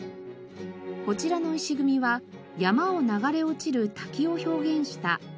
こちらの石組みは山を流れ落ちる滝を表現した枯滝。